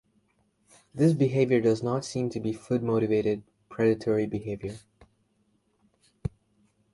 This behavior does not seem to be "food-motivated predatory behavior".